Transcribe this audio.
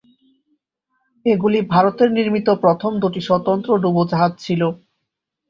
এগুলি ভারতের নির্মিত প্রথম দুটি স্বতন্ত্র ডুবোজাহাজ ছিল।